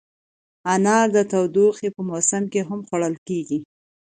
انار د تودوخې په موسم کې هم خوړل کېږي.